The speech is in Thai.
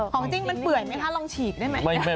จริงมันเปื่อยไหมคะลองฉีกได้ไหม